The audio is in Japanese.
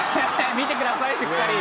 見てください、しっかり。